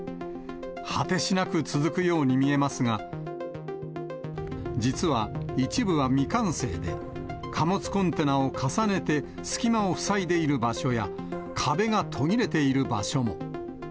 果てしなく続くように見えますが、実は、一部は未完成で、貨物コンテナを重ねて隙間を塞いでいる場所や、壁が途切れている場所も。